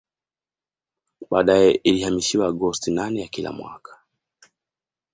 Baadae ilihamishiwa Agosti nane ya kila mwaka